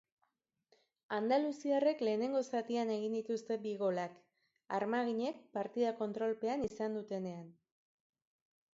Andaluziarrek lehenengo zatian egin dituzte bi golak, armaginek partida kontrolpean izan dutenean.